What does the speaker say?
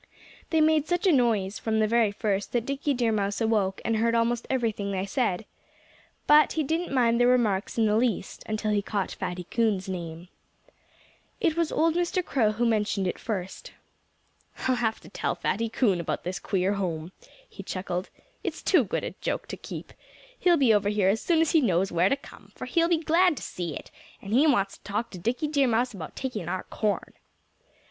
They made such a noise, from the very first, that Dickie Deer Mouse awoke and heard almost everything they said. But he didn't mind their remarks in the least until he caught Fatty Coon's name. It was old Mr. Crow who mentioned it first. "I'll have to tell Fatty Coon about this queer house," he chuckled. "It's too good a joke to keep. He'll be over here as soon as he knows where to come, for he'll be glad to see it; and he wants to talk to Dickie Deer Mouse about taking our corn."